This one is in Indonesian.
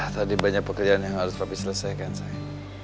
tadi banyak pekerjaan yang harus papi selesaikan say